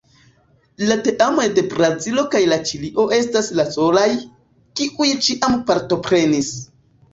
La teamoj de Brazilo kaj de Ĉilio estas la solaj, kiuj ĉiam partoprenis.